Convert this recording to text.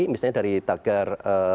misalnya dari tagar satu